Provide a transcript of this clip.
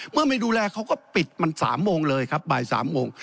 ไม่ดูแลเขาก็ปิดมัน๓โมงเลยครับบ่าย๓โมง